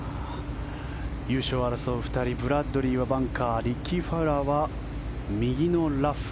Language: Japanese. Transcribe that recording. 優勝を争う２人ブラッドリーはバンカーリッキー・ファウラーは右のラフ。